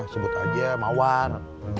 sebut aja mawar